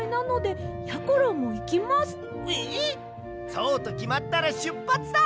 そうときまったらしゅっぱつだ！